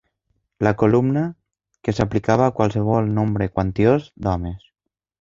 La «columna», que s'aplicava a qualsevol nombre quantiós d'homes.